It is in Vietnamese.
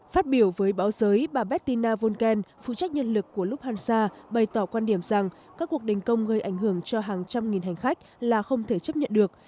phát biểu với báo giới bà bertina volken phụ trách nhân lực của lufthansa bày tỏ quan điểm rằng các cuộc đình công gây ảnh hưởng cho hàng trăm nghìn hành khách là không thể chấp nhận được